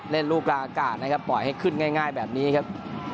เล่นลูกกลางอากาศนะครับปล่อยให้ขึ้นง่ายแบบนี้ครับ